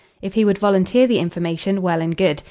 If he would volunteer the information, well and good.